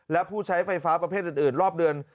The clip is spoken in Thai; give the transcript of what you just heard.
และผู้ใช้ไฟฟ้าประเภทอื่นรอบเดือน